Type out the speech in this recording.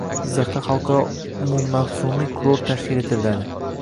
Jizzaxda xalqaro umummavsumiy kurort tashkil etiladi